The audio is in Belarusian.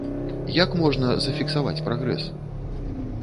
Як можна зафіксаваць прагрэс?